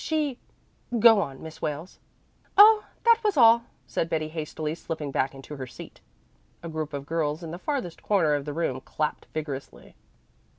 She Go on, Miss Wales." "Oh, that was all," said Betty hastily slipping back into her seat. A group of girls in the farthest corner of the room clapped vigorously.